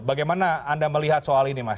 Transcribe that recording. bagaimana anda melihat soal ini mas